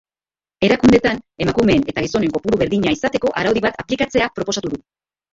Erakundeetan emakumeen eta gizonen kopuru berdina izateko araudi bat aplikatzea proposatu du.